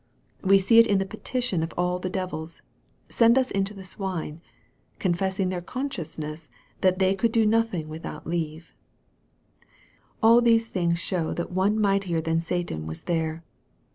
We see it in the petition of all the devils " send us into the swine," confessing their consciousness that they could do nothing without leave, All these things show that one mightier than Satan was there.